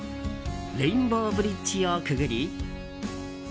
レインボーブリッジをくぐり。